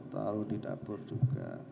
taruh di dapur juga